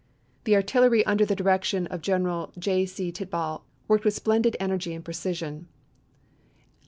The artillery under the direction of General J. C. Tidball worked with splendid energy and precision.